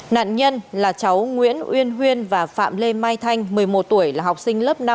nạn nhân là cháu nguyễn uyên huyên và phạm lê mai thanh một mươi một tuổi là học sinh lớp năm